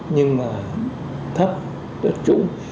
nhưng mà thấp đất trung